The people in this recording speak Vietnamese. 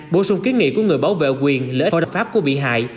bổ sung kiến nghị của người bảo vệ quyền lễ hội đồng pháp của bị hại